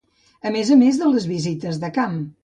A més a més de les visites de camp.